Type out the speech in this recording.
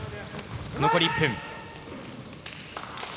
残り１分。